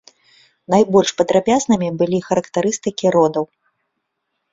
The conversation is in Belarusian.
Найбольш падрабязнымі былі характарыстыкі родаў.